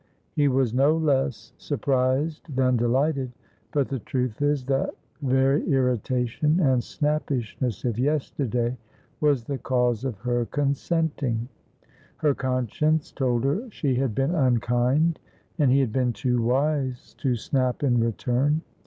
He was no less surprised than delighted, but the truth is that very irritation and snappishness of yesterday was the cause of her consenting; her conscience told her she had been unkind, and he had been too wise to snap in return.